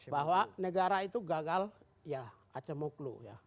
bahwa negara itu gagal ya acemuklu ya